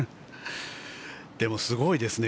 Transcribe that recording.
でも、すごいですね。